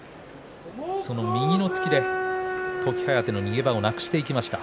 右の突きで時疾風の逃げ場をなくしていきました。